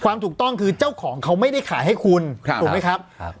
ความถูกต้องคือเจ้าของเขาไม่ได้ขายให้คุณถูกไหมครับ